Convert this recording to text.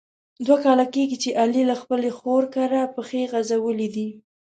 دوه کاله کېږي چې علي له خپلې خور کره پښې غزولي دي.